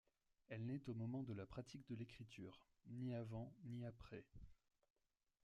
Elle naît au moment de la pratique de l’écriture, ni avant ni après.